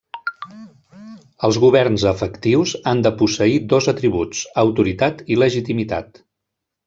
Els governs efectius han de posseir dos atributs: autoritat i legitimitat.